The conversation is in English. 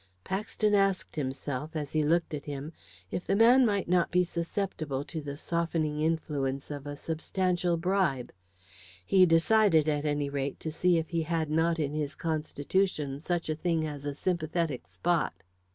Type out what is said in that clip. Paxton asked himself, as he looked at him, if the man might not be susceptible to the softening influence of a substantial bribe. He decided, at any rate, to see if he had not in his constitution such a thing as a sympathetic spot.